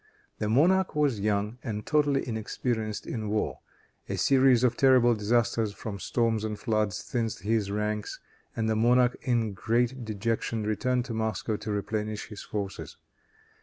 The monarch was young and totally inexperienced in war. A series of terrible disasters from storms and floods thinned his ranks, and the monarch in great dejection returned to Moscow to replenish his forces.